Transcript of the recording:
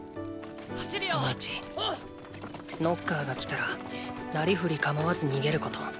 その１ノッカーが来たらなりふり構わず逃げること。